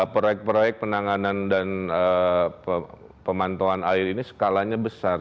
proyek proyek penanganan dan pemantauan air ini skalanya besar